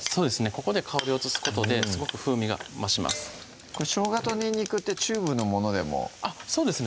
ここで香りを移すことですごく風味が増しますしょうがとにんにくってチューブのものでもそうですね